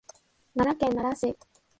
奈良県奈良市